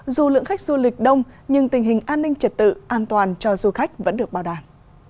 dù lượng khách du lịch đông nhưng tình hình an ninh trật tự an toàn cho du khách vẫn được bảo đảm